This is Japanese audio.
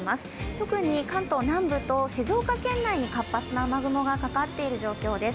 特に関東南部と静岡県内に活発な雨雲かかっている状態です。